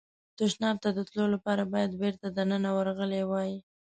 تشناب ته د تلو لپاره باید بېرته دننه ورغلی وای.